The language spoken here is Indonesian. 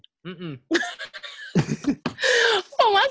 jual jualan terus nih